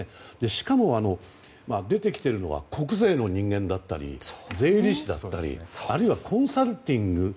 しかも、出てきているのは国税の人間だったり税理士だったりあるいはコンサルティング。